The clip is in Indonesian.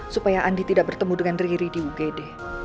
supaya andi tidak bertemu dengan riri di ugd